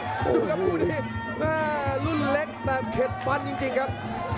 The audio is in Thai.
ดูครับคู่นี้แม่รุ่นเล็กแบบเข็ดฟันจริงครับ